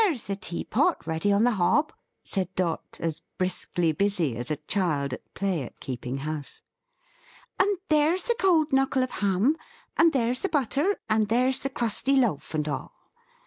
There's the teapot, ready on the hob!" said Dot; as briskly busy as a child at play at keeping house. "And there's the cold knuckle of ham; and there's the butter; and there's the crusty loaf, and all!